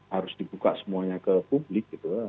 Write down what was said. harus dibuka semuanya ke publik gitu